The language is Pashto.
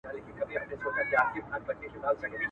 ماته جهاني د ګل پر پاڼو کیسې مه لیکه.